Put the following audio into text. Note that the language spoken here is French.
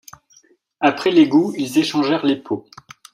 Après les goûts ils échangèrent les peaux.